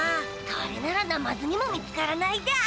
これならナマズにも見つからないだ。